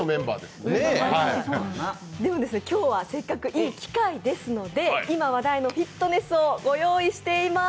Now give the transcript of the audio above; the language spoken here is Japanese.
今日はせっかくいい機会ですので、今話題のフィットネスをご用意しています。